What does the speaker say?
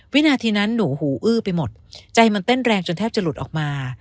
วินาทีนั้นหนูหูอื้อไปหมดใจมันเต้นแรงจนแทบจะหลุดออกมา